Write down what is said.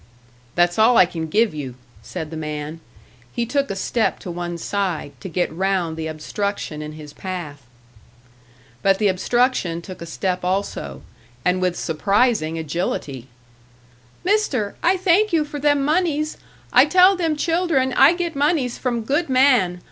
"That's all I can give you," said the man. He took a step to one side, to get round the obstruction in his path. But the obstruction took a step also and with surprising agility. "Mister, I thank you for them moneys. I tell them children I get moneys from good man.